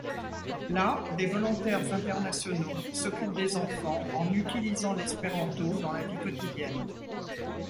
Là, des volontaires internationaux s'occupent des enfants en utilisant l'espéranto dans la vie quotidienne.